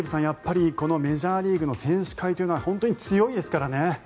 やっぱりこのメジャーリーグの選手会というのは本当に強いですからね。